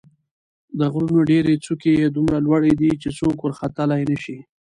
د غرونو ډېرې څوکې یې دومره لوړې دي چې څوک ورختلای نه شي.